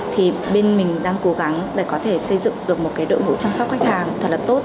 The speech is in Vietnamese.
thì bên mình đang cố gắng để có thể xây dựng được một cái đội ngũ chăm sóc khách hàng thật là tốt